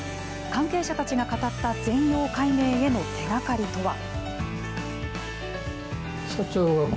関係者たちが語った全容解明への手がかりとは。